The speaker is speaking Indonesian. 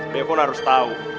depon harus tau